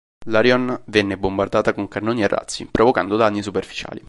L'Arion venne bombardata con cannoni e razzi, provocando danni superficiali.